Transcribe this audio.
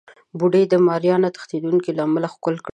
بوډۍ ماريا د نه تښتېدو له امله ښکل کړه.